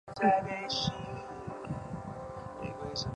与那原町位于琉球列岛冲绳群岛冲绳岛南部。